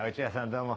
どうも。